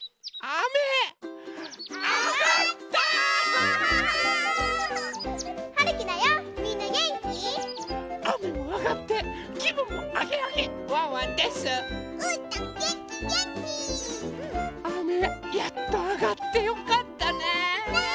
あめやっとあがってよかったね。ね！